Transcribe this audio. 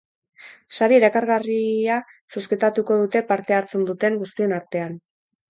Sari erakargarria zozketatuko dute parte hartzen duten guztien artean.